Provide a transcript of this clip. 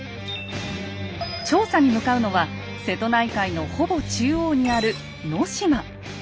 調査に向かうのは瀬戸内海のほぼ中央にある能島。